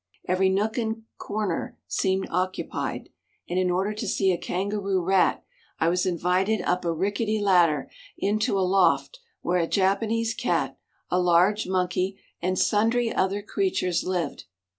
Every nook and corner seemed occupied, and in order to see a kangaroo rat I was invited up a rickety ladder into a loft where a Japanese cat, a large monkey, and sundry other creatures lived.